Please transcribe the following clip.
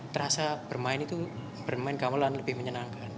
terasa bermain gamelan lebih menyenangkan